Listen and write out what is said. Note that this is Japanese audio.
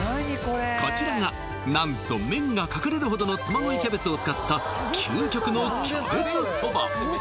こちらが何と麺が隠れるほどの嬬恋キャベツを使った究極のキャベツそば